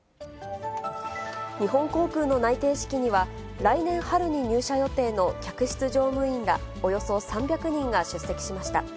日本航空の内定式には、来年春に入社予定の客室乗務員ら、およそ３００人が出席しました。